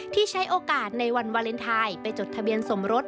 ใช้โอกาสในวันวาเลนไทยไปจดทะเบียนสมรส